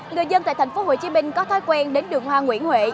người dân tại tp hcm có thói quen đến đường hoa nguyễn huệ